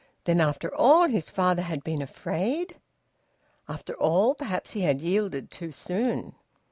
Then after all his father had been afraid! ... After all perhaps he had yielded too soon!